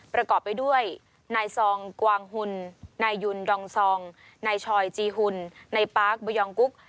ประกอบไปด้วยนายซองกวางหุ่นนายยุนดองซองนายชอยจีหุ่นนายปาร์คบยองกุ๊ก